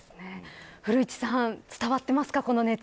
古市さん伝わってますかこの熱。